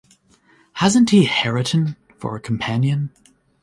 Hasn’t he Hareton for a companion?